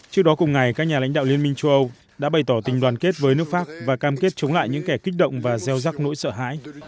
trước đó cùng ngày các nhà lãnh đạo liên minh châu âu đã bày tỏ tình đoàn kết với nước pháp và cam kết chống lại những kẻ kích động và gieo rắc nỗi sợ hãi